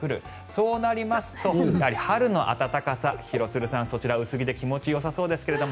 そうなりますと春の暖かさ廣津留さん、そちら薄着で気持ちよさそうですが。